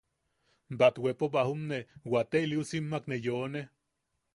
Batwepo bajumne, waate iliusimmak ne yeone.